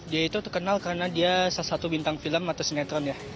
dia itu terkenal karena dia salah satu bintang film atau sinetron ya